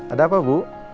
ada apa bu